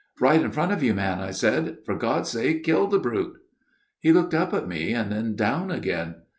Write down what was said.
' Right in front of you, man/ I said. ' For God's sake kill the brute/ " He looked up at me, and then down again.